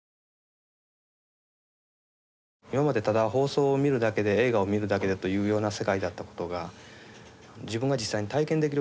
今までただ放送を見るだけで映画を見るだけだというような世界だったことが自分が実際に体験できるようになったわけですね。